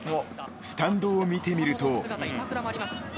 ［スタンドを見てみると］